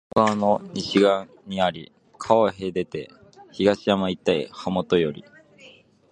加茂川の西岸にあり、川を隔てて東山一帯はもとより、